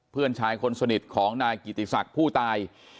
เพื่อนชายคนสนิทของนายกิติศักดิ์ผู้ตาย